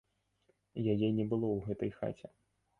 Яе не было ў гэтай хаце.